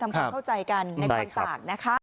ทำความเข้าใจกันในความต่างนะคะ